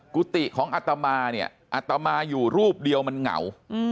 กุฏิของอัตมาเนี่ยอัตมาอยู่รูปเดียวมันเหงา